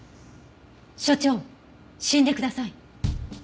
所長死んでください。